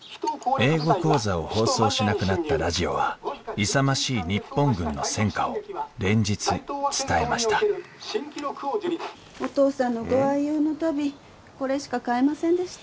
英語講座を放送しなくなったラジオは勇ましい日本軍の戦果を連日伝えましたお義父さんのご愛用の足袋これしか買えませんでした。